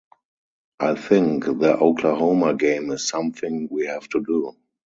I think the Oklahoma game is something we have to do.